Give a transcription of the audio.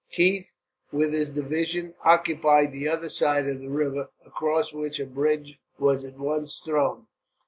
Keith with his division occupied the other side of the river, across which a bridge was at once thrown.